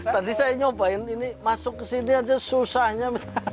tadi saya nyobain ini masuk ke sini aja susahnya